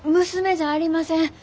娘じゃありません。